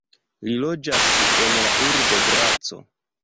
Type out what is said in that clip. Li loĝas en la urbo Graco.